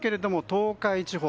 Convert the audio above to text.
東海地方